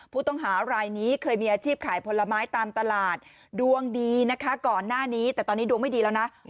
ผู้ต้องหารายนี้เคยมีอาชีพขายผลไม้ตามตลาดดวงดีนะคะก่อนหน้านี้แต่ตอนนี้ดวงไม่ดีแล้วนะ